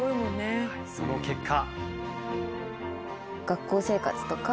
その結果。